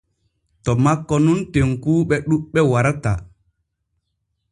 To makko nun tenkuuɓe ɗuɓɓe warata.